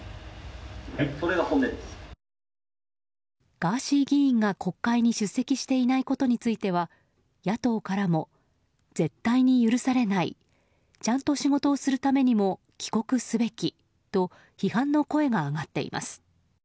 ガーシー議員が国会に出席していないことについては野党からも、絶対に許されないちゃんと仕事をするためにも帰国すべきと批判の声が上がっています。